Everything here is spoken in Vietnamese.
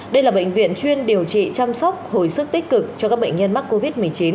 đây là bệnh viện chuyên điều trị chăm sóc hồi sức tích cực cho các bệnh nhân mắc covid một mươi chín